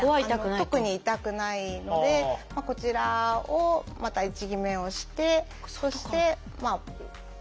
特に痛くないのでこちらをまた位置決めをしてそしてまあ